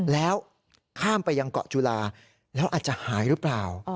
แล้วข้ามไปยังเกาะจุฬาแล้วอาจจะหายหรือเปล่า